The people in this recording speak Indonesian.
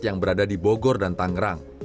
yang berada di bogor dan tangerang